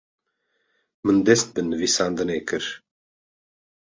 Min dest bi nivîsandinê kir.